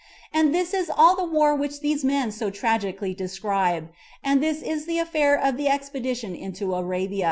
And this is all the war which these men so tragically describe; and this is the affair of the expedition into Arabia.